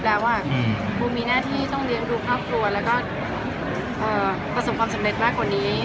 แล้วบูมมีหน้าที่ต้องเลี้ยงดูครอบครัวแล้วก็ประสบความสำเร็จมากกว่านี้